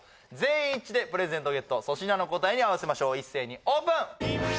全員一致でプレゼントゲット粗品の答えに合わせましょう一斉にオープン！